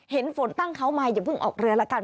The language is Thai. เห็นฝนตั้งเขามาอย่าเพิ่งออกเรือละกัน